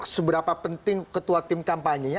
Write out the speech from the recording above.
seberapa penting ketua tim kampanye nya